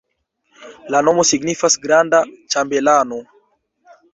La nomo signifas granda-ĉambelano.